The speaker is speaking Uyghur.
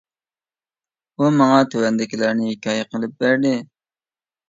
ئۇ ماڭا تۆۋەندىكىلەرنى ھېكايە قىلىپ بەردى.